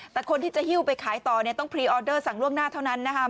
แต่คนที่จะหิ้วไปขายต่อเนี่ยต้องพรีออเดอร์สั่งล่วงหน้าเท่านั้นนะครับ